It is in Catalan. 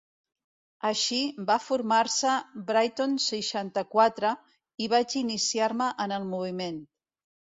Així va formar-se Brighton seixanta-quatre i vaig iniciar-me en el moviment.